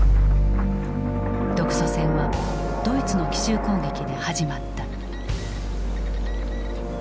独ソ戦はドイツの奇襲攻撃で始まった。